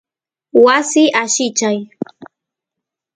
wasi allichay